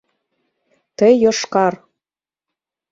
Ты Йошкар